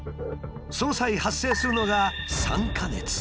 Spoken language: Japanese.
その際発生するのが「酸化熱」。